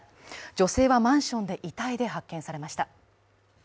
女性はマンションで遺体で発見されました。